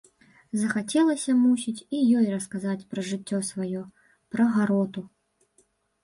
Захацелася, мусіць, і ёй расказаць пра жыццё сваё, пра гароту.